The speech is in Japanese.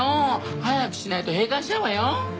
早くしないと閉館しちゃうわよ？